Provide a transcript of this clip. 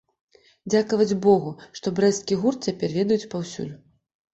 Дзякаваць богу, што брэсцкі гурт цяпер ведаюць паўсюль!